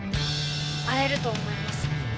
会えると思います。